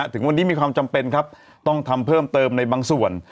ถึงวันนี้มีความจำเป็นครับต้องทำเพิ่มเติมในบางส่วน